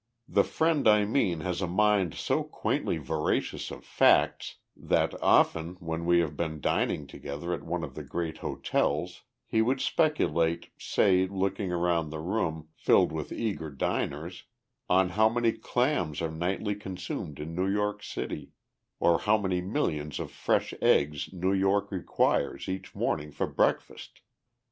The friend I mean has a mind so quaintly voracious of facts that, often when we have been dining together at one of the great hotels, he would speculate, say, looking round the room filled with eager diners, on how many clams are nightly consumed in New York City, or how many millions of fresh eggs New York requires each morning for breakfast.